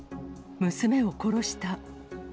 娘を殺した。